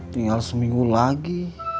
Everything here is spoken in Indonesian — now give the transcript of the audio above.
tinggal seminggu lagi